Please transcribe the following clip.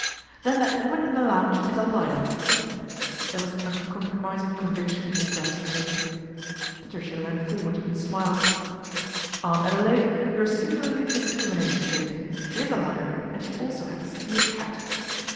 " Then that woman in the lounge is a liar." There was uncompromising conviction in Miss Brent's tone. Patricia leaned forward and smiled. " Aunt Adelaide, you are singularly discriminating to day. She is a liar, and she also happens to be a cat."